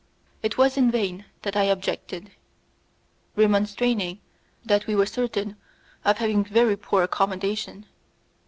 It was in vain that I objected, remonstrating that we were certain of having very poor accommodation!